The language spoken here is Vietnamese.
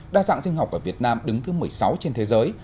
đa dạng sinh học ở việt nam đứng thứ một mươi sáu trên thế giới